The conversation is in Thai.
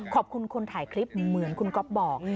ขอบคุณคนถ่ายคลิปเหมือนคุณก๊อฟบอก